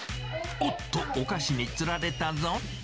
おっと、お菓子につられたぞ。